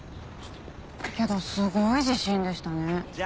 けどすごい自信でしたね。